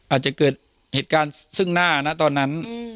อาจจะเกิดเหตุการณ์ซึ่งหน้านะตอนนั้น